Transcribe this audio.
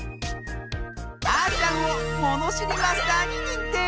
あーちゃんをものしりマスターににんてい！